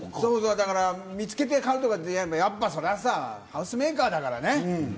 見つけて買うとかより、やっぱそれはハウスメーカーだからね。